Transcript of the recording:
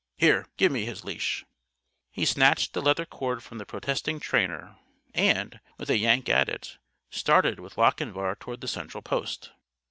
Here! Give me his leash!" He snatched the leather cord from the protesting trainer and, with a yank at it, started with Lochinvar toward the central post.